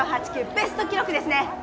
ベスト記録ですね